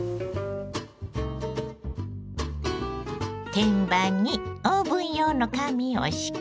天板にオーブン用の紙を敷き